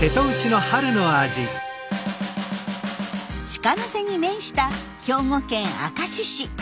鹿ノ瀬に面した兵庫県明石市。